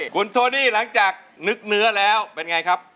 คุณโทนี่หลังจากนึกเนื้อแล้วเป็นไงครับ